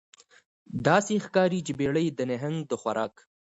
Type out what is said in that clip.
داسې ښکاري چې بیړۍ د نهنګ د خوراک